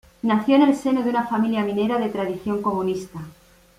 Nació en el seno de una familia minera de tradición comunista.